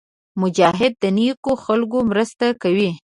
مجاهد د نېکو خلکو مرسته کوي.